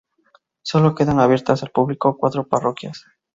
Sólo quedan abiertas al público cuatro parroquias.